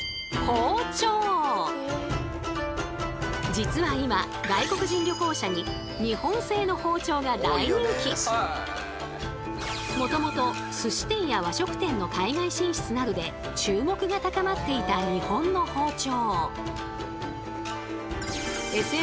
実は今もともとすし店や和食店の海外進出などで注目が高まっていた日本の包丁。